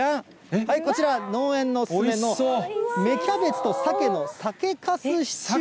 はいこちら、農園お勧めの芽キャベツとサケの酒かすシチュー。